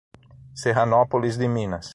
Serranópolis de Minas